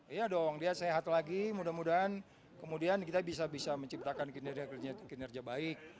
iya dong dia sehat lagi mudah mudahan kemudian kita bisa bisa menciptakan kinerja baik